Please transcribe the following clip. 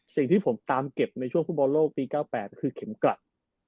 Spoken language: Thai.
สิ่งที่ผมตามเก็บในช่วงฟุตบอลโลกปี๙๘ก็คือเข็มกลัด